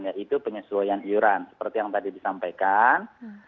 yaitu penyesuaian iuran seperti yang tadi disampaikan